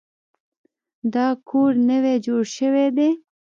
دا کور نوی جوړ شوی دی.